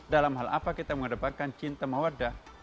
dalam hal apa kita mengadakan cinta mawadah